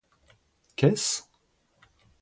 qu'est-ce?